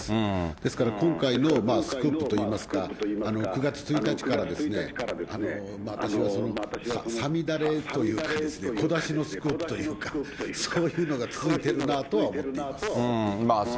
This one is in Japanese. ですから今回のスクープといいますか、９月１日からですね、私が五月雨というかですね、小出しのスクープというか、そういうのが続いてるなとは思っています。